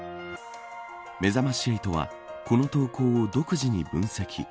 めざまし８はこの投稿を独自に分析。